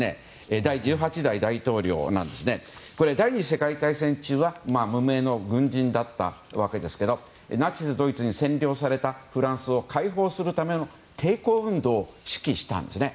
第１８代大統領ですがこれ、第２次世界大戦中は無名の軍人だったわけですがナチスドイツに占領されたフランスを解放するための抵抗運動を指揮したんです。